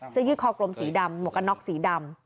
ยืดคอกลมสีดำหมวกกันน็อกสีดำ